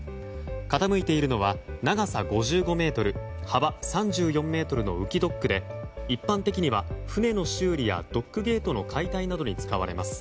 傾いているのは長さ５５ｍ幅３４ｍの浮きドックで一般的には船の修理やドックゲートの解体などに使われます。